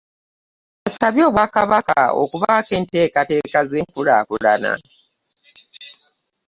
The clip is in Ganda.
Asabye Obwakabaka okubaako enteekateeka z'enkulaakulana.